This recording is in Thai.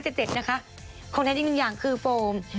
ของแท้จริงหนึ่งอย่างคือโฟม